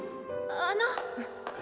あの。